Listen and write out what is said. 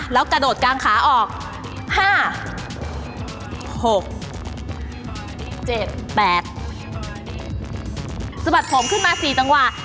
แล้วกระโดดกลางขาออกห้าหกเจ็ดแปดสะบัดผมขึ้นมาสี่ต่างหว่า